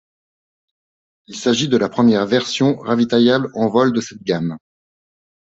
Il s'agit de la première version ravitaillable en vol de cette gamme.